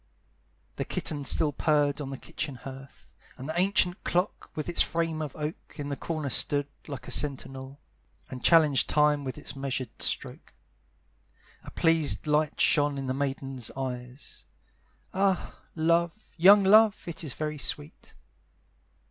The kitten still purred on the kitchen hearth, And the ancient clock, with its frame of oak, In the corner stood, like a sentinel, And challenged time with its measured stroke. A pleased light shone in the maiden's eyes; Ah, love, young love, it is very sweet!